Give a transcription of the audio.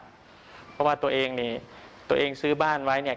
เพราะว่าตัวเองนี่ตัวเองซื้อบ้านไว้เนี่ย